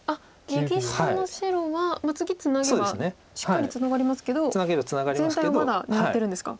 右下の白は次ツナげばしっかりツナがりますけど全体をまだ狙ってるんですか。